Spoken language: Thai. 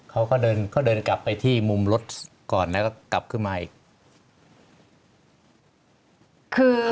เขาก็เดินกลับข้างไปที่มุมรถก่อนเนี่ยกลับขึ้นมาอีก